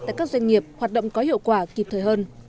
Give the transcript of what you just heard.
tại các doanh nghiệp hoạt động có hiệu quả kịp thời hơn